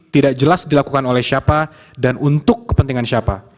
tidak jelas dilakukan oleh siapa dan untuk kepentingan siapa